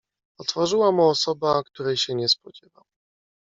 "Otworzyła mu osoba, której się nie spodziewał."